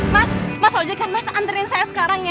mas mas wajibkan mas anterin saya sekarang ya